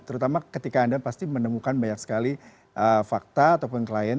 terutama ketika anda pasti menemukan banyak sekali fakta ataupun klien